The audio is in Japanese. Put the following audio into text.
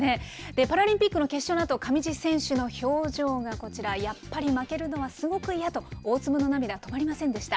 パラリンピックの決勝のあと、上地選手の表情がこちら、やっぱり負けるのはすごく嫌と、大粒の涙止まりませんでした。